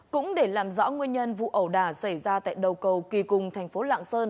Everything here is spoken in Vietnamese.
cũng để làm rõ nguyên nhân vụ ẩu đà xảy ra tại đầu cầu kỳ cùng tp lạng sơn